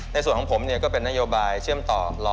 ในส่วนของผมก็เป็นนโยบายเชื่อมต่อ